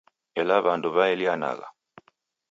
Ela w'andu waelianagha